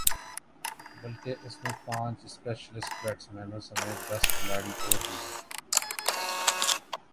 بلکہ اس میں پانچ اسپیشلسٹ بیٹسمینوں سمیت دس کھلاڑی اور بھی ہیں